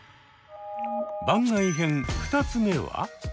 番外編２つ目は。